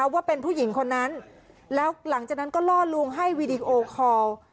ว่าเป็นผู้หญิงคนนั้นแล้วหลังจากนั้นก็ล่อลวงให้วีดีโอคอล